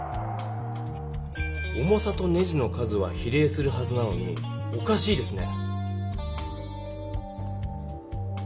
重さとネジの数は比例するはずなのにおかしいですね。